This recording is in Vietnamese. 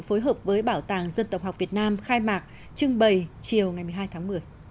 phối hợp với bảo tàng dân tộc học việt nam khai mạc trưng bày chiều ngày một mươi hai tháng một mươi